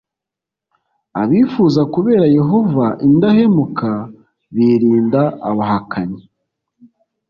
abifuza kubera yehova indahemuka birinda abahakanyi